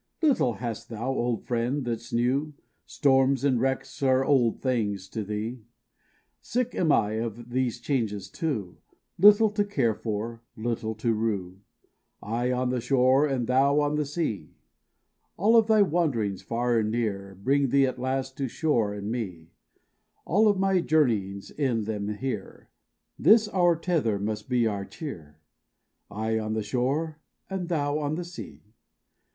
Little thou hast, old friend, that's new, Storms and wrecks are old things to thee; Sick am I of these changes, too; Little to care for, little to rue,— I on the shore, and thou on the sea, All of thy wanderings, far and near, Bring thee at last to shore and me; All of my journeyings end them here, This our tether must be our cheer,— I on the shore and thou on the sea.